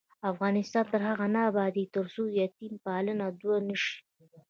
افغانستان تر هغو نه ابادیږي، ترڅو یتیم پالنه دود نشي.